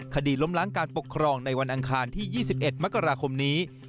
คดีล้มล้างการปกครองในวันอังคารที่๒๑มกราคมนี้